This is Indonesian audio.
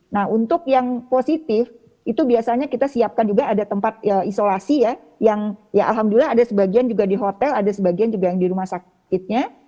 nah untuk yang positif itu biasanya kita siapkan juga ada tempat isolasi ya yang ya alhamdulillah ada sebagian juga di hotel ada sebagian juga yang di rumah sakitnya